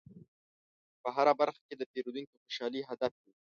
په هره برخه کې د پیرودونکي خوشحالي هدف وي.